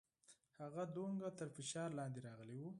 هغه دومره تر فشار لاندې راغلې وه.